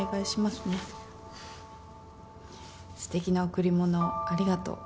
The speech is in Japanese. すてきな贈り物ありがとう。